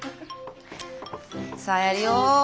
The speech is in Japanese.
さあやるよ。